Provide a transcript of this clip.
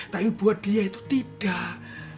tapi buat dia itu tidak